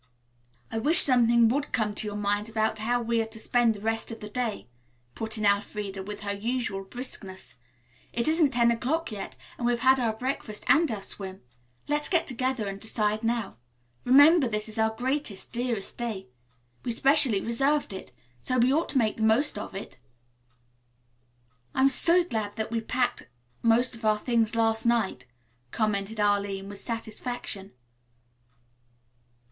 "I wish something would come to your minds about how we are to spend the rest of the day," put in Elfreda, with her usual briskness. "It isn't ten o'clock yet, and we've had our breakfast and our swim. Let's get together and decide now. Remember this is our greatest, dearest day. We specially reserved it. So we ought to make the most of it." "I'm so glad we packed most of our things last night," commented Arline, with satisfaction.